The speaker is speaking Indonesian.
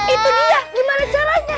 itu dia gimana caranya